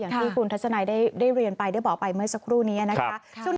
อย่างที่คุณทัศนัยได้เรียนไปได้บอกไปเมื่อสักครู่นี้นะคะ